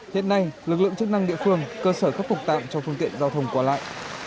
hiện nay lực lượng chức năng địa phương cơ sở khắc phục tạm cho phương tiện giao thông qua lại